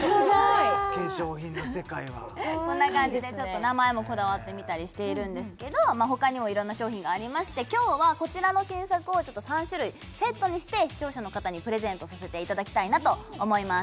化粧品の世界はホントだかわいいこんな感じで名前もこだわってみたりしているんですけどほかにもいろんな商品がありまして今日はこちらの新作を３種類セットにして視聴者の方にプレゼントさせていただきたいなと思います